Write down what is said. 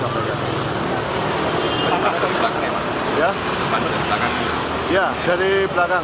apakah dari belakang ya pak